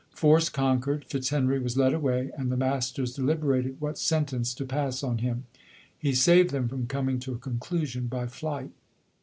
Force conquered ; Fitzhenry was led away ; and the masters deliberated what sen tence to pass on him. He saved them from coming to a conclusion by flight.